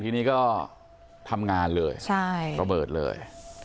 ทีนี้ก็ทำงานเลยระเบิดเลย